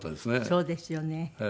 そうですよね。